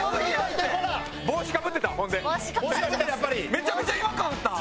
めちゃめちゃ違和感あった。